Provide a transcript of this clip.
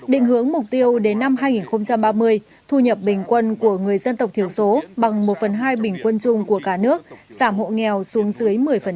định hướng mục tiêu đến năm hai nghìn ba mươi thu nhập bình quân của người dân tộc thiểu số bằng một phần hai bình quân chung của cả nước giảm hộ nghèo xuống dưới một mươi